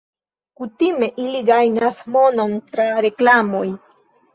Kutime ili gajnas monon tra reklamoj.